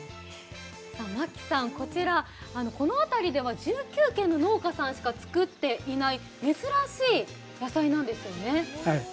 槇さん、こちら、この辺りでは１９軒の農家さんしか作っていない珍しい野菜なんですよね。